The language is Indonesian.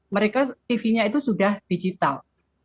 mereka tv nya itu sudah digital